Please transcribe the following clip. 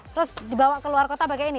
terus dibawa ke luar kota bagaimana ini